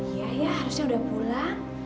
iya ya harusnya udah pulang